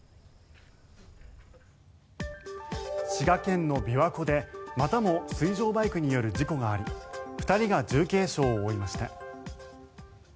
滋賀県の琵琶湖で、またも水上バイクによる事故があり２人が重軽傷を負いました。